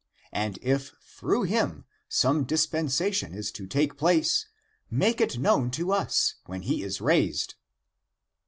And if through him some dispensa tion is to take place, make it known to us, when he is raised